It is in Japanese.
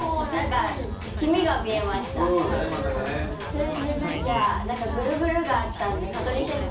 それじゃなきゃなんかグルグルがあったんで蚊取り線香？